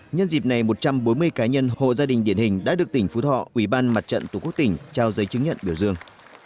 nhân dịp này một trăm bốn mươi cá nhân hộ gia đình điển hình đã được tỉnh phú thọ ủy ban mặt trận tổ quốc tỉnh trao giấy chứng nhận biểu dương